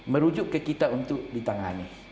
merujuk ke kita untuk ditangani